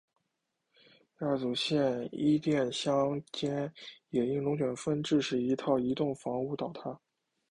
亚祖县伊甸乡间也因龙卷风致使一套移动房屋倒塌。